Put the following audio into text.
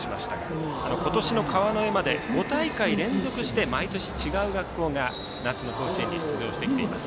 今年の川之江まで５大会連続で毎年、違う学校が夏の甲子園に出場しています。